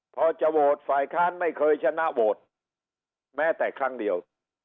พอจะโหวตฝ่ายค้านไม่เคยชนะโหวตแม้แต่ครั้งเดียว